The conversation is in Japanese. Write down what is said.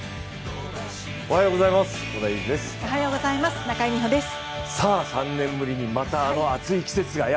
おはようございます。